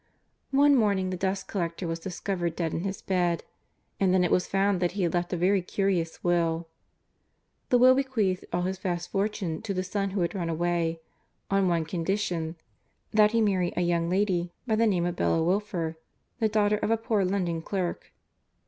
One morning the dust collector was discovered dead in his bed, and then it was found that he had left a very curious will. The will bequeathed all his vast fortune to the son who had run away, on one condition: that he marry a young lady by the name of Bella Wilfer, the daughter of a poor London clerk.